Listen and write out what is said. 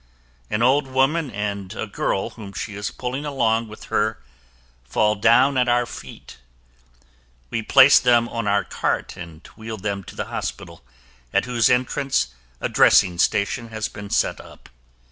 An old woman and a girl whom she is pulling along with her fall down at our feet. We place them on our cart and wheel them to the hospital at whose entrance a dressing station has been set up.